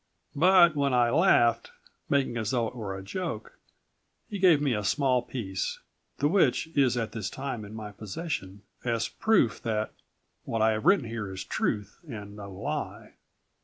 "But when I laughed, making as though it were a joke, he gave me a small piece, the which is at this time in my possession, as proof that what I have written here is truth and no lie.